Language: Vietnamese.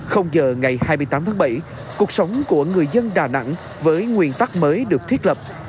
giờ ngày hai mươi tám tháng bảy cuộc sống của người dân đà nẵng với nguyên tắc mới được thiết lập